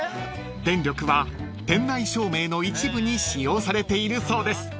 ［電力は店内照明の一部に使用されているそうです］